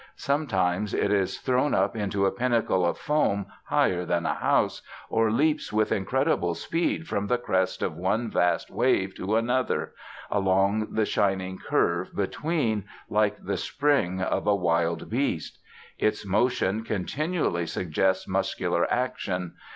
Sometimes it is thrown up into a pinnacle of foam higher than a house, or leaps with incredible speed from the crest of one vast wave to another, along the shining curve between, like the spring of a wild beast. Its motion continually suggests muscular action.